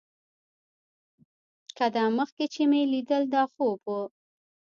که دا مخکې چې مې ليدل دا خوب و.